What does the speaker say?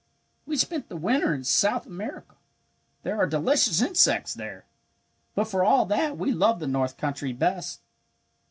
"We spent the winter in South America. There are delicious insects there. But for all that we love the north country best.